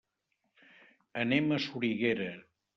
Anem a Soriguera.